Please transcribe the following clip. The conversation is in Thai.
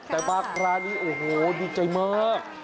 แต่มาคราวนี้โอ้โหดีใจมาก